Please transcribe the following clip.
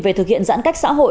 về thực hiện giãn cách xã hội